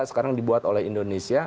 sekarang dibuat oleh indonesia